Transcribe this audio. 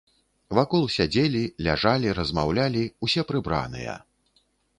Вакол сядзелі, ляжалі, размаўлялі, усе прыбраныя.